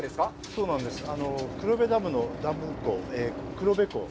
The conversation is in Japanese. そうなんですね。